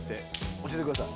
教えてください。